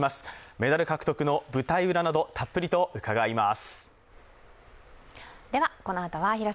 メダル獲得の舞台裏などたっぷりと伺います。